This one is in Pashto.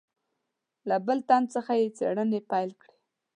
له بل تن څخه یې څېړنې پیل کړې.